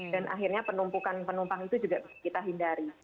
dan akhirnya penumpukan penumpang itu juga kita hindari